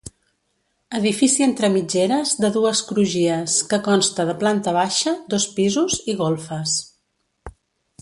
Edifici entre mitgeres de dues crugies, que consta de planta baixa, dos pisos i golfes.